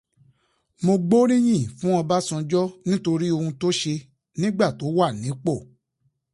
Mo gbóríyìn fún Ọbásanjọ́ nítorí oun tó ṣe nígbà tó wà nípò.